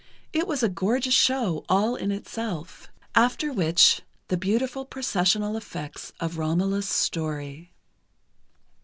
It was a gorgeous show all in itself. After which, the beautiful processional effects of Romola's story.